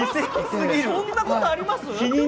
そんなことあります？